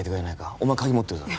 お前鍵持ってるだろ